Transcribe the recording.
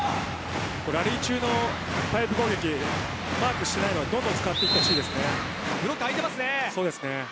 ラリー中のパイプ攻撃マークしていないのはどんどん使っていってブロック空いてますね。